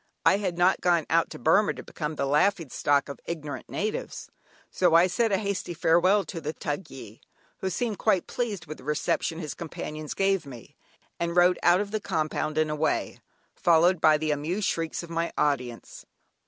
I had not gone out to Burmah to become the laughing stock of ignorant natives, so I said a hasty farewell to the "Thugyi," who seemed quite pleased with the reception his companions gave me, and rode out of the compound and away, followed by the amused shrieks of my audience.